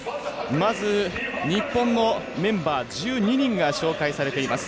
まず、日本のメンバー１２人が紹介されています。